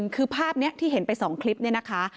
คือภาพนี้ที่เห็นไป๒คลิปเนี่ยนะคะ